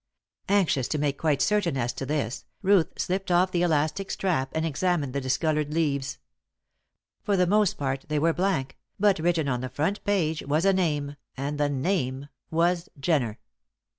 Anxious to make quite certain as to this, Ruth slipped off the elastic strap and examined the discoloured leaves. For the most part they were blank, but written on the front page was a name, and the name was Jenner!